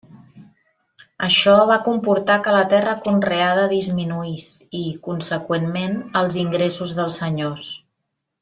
Això va comportar que la terra conreada disminuís i, conseqüentment, els ingressos dels senyors.